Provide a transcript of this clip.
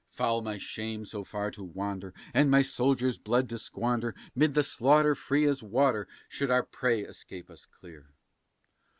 Foul my shame so far to wander, and my soldiers' blood to squander 'Mid the slaughter free as water, should our prey escape us clear.